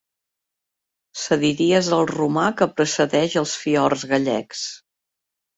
Cediries el romà que precedeix els fiords gallecs.